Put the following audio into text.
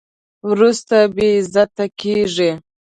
وروسته بې عزته کېږي.